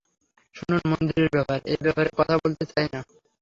শুনুন, মন্দিরের ব্যাপার, এই ব্যাপারে কথা বলতে চাই না।